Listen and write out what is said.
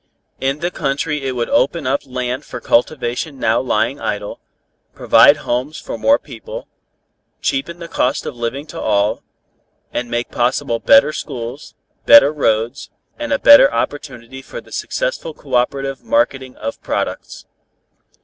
In the country it would open up land for cultivation now lying idle, provide homes for more people, cheapen the cost of living to all, and make possible better schools, better roads and a better opportunity for the successful cooperative marketing of products.